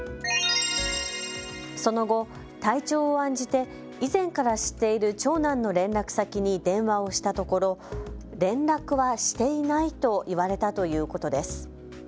その後、体調を案じて以前から知っている長男の連絡先に電話をしたところ連絡はしていないと言われたということです。